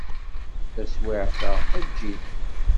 Taswiɛt-a, eǧǧ-it.